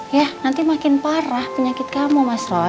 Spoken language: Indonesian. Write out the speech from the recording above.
ya nanti makin parah penyakit kamu mas roy